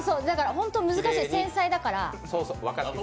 ホント難しい、繊細だから。